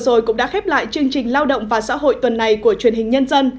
rồi cũng đã khép lại chương trình lao động và xã hội tuần này của truyền hình nhân dân